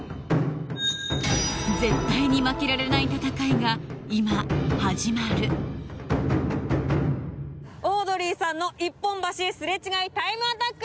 絶対に負けられない戦いが今始まるオードリーさんの一本橋すれ違いタイムアタック！